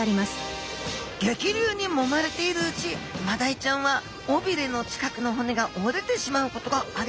激流にもまれているうちマダイちゃんは尾びれの近くの骨が折れてしまうことがあります。